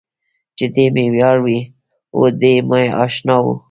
چې دی مې یار و، دی مې اشنا و.